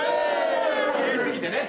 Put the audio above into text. きれいすぎてね。